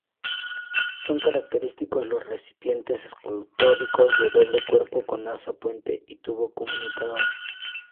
Son característicos los recipientes escultóricos de doble cuerpo, con asa puente y tubo comunicador.